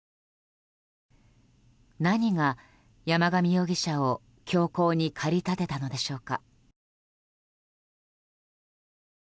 何が山上容疑者を凶行に駆り立てたのでしょうか。